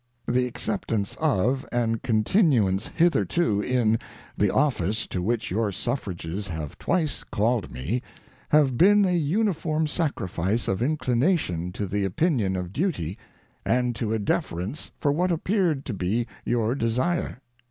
The acceptance of, and continuance hith WASHINGTON'S FAREWELL ADDRESS erto in, the oiEce to which your suffrages have twice called me, have been a uniform sacrifice of inclination to the opinion of duty, and to a deference for what appeared to be your desire.